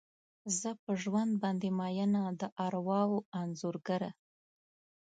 زه په ژوند باندې میینه، د ارواوو انځورګره